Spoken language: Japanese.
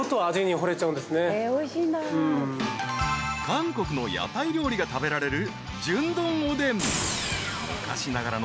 ［韓国の屋台料理が食べられる］